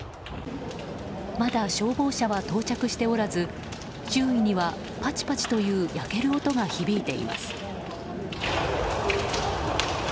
まだ消防車は到着しておらず周囲にはパチパチという焼ける音が響いています。